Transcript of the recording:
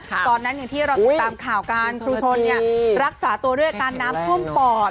ตอนนั้นอย่างที่เราสงสัยตามข่าการครูชนรักษาตัวด้วยการน้ำห้มปอด